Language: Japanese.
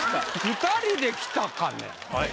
２人で来たかね。